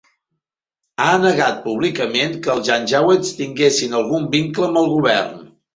Ha negat públicament que els Janjaweed tinguessin algun vincle amb el govern.